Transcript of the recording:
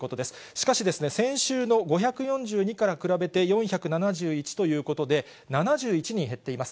しかし、先週の５４２から比べて４７１ということで、７１人減っています。